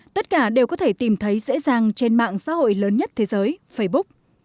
tất cả đều có thể tìm thấy dễ dàng trên mạng xã hội lớn nhất thế giới facebook